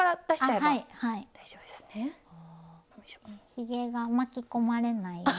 ひげが巻き込まれないように。